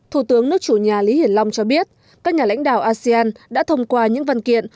thủ tướng nước chủ nhà lý hiển long cho biết các nhà lãnh đạo asean đã thông qua những văn kiện